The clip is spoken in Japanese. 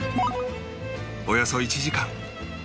およそ１時間